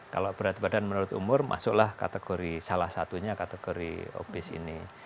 kalau berat badan menurut umur masuklah kategori salah satunya kategori obes ini